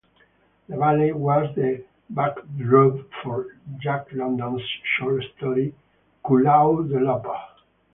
The valley was the backdrop for Jack London's short story "Koolau the Leper".